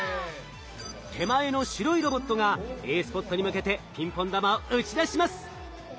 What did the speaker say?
手前の白いロボットがＡスポットに向けてピンポン玉を打ち出します。